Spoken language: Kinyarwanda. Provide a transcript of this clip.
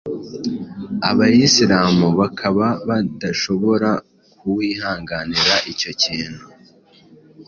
Abayislamu bakaba ba dashobora kuwihanganira icyo kintu